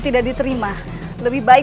tidak diterima lebih baik